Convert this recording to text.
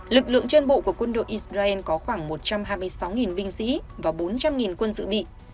lực lượng trên bộ của quân đội israel có khoảng một trăm hai mươi sáu binh sĩ và bốn trăm linh quân dự bị